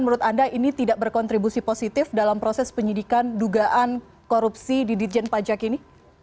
menurut anda ini tidak berkontribusi positif dalam proses penyidikan dugaan korupsi di dirjen pajak ini